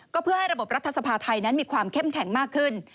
ก็เพื่อให้ระบบรัฐสภาไทยนั้นมีความเข้มแข็งมากขึ้น